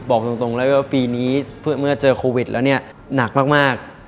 บอกตรงเลยว่าปีนี้เมื่อเจอโควิดแล้วเนี่ยหนักมาก